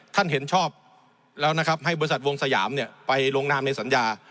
เห็นชอบแล้วนะครับให้บริษัทวงสยามไปลงนามในสัญญา